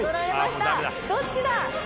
どっちだ？